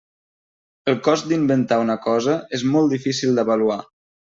El cost d'inventar una cosa és molt difícil d'avaluar.